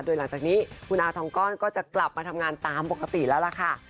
โดยหลังจากนี้คุณอาทองก้อนก็จะกลับมาทำงานตามปกติแล้วล่ะค่ะ